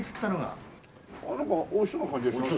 ああなんかおいしそうな感じですね。